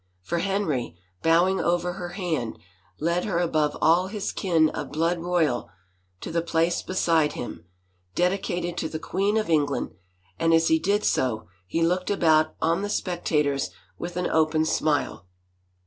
For Henry, bowing over her hand, led her above all his kin of blood royal, to the place be side him, dedicated to the queen of England, and as he did so he looked about on the spectators with an open smile.